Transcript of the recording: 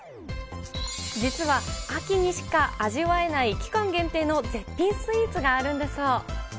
実は秋にしか味わえない期間限定の絶品スイーツがあるんだそう。